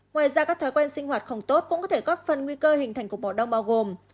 ngoài ra các thói quen sinh hoạt không tốt cũng có thể góp phần nguy cơ hình thành cuộc bỏ đông bao gồm